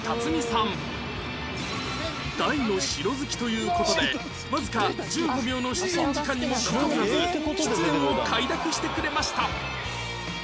大の城好きという事でわずか１５秒の出演時間にもかかわらず出演を快諾してくれました！